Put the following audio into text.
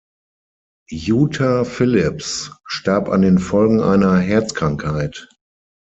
Utah Phillips starb an den Folgen einer Herzkrankheit.